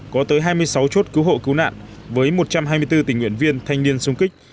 có tới hai mươi sáu chốt cứu hộ cứu nạn với một trăm hai mươi bốn tình nguyện viên thanh niên sung kích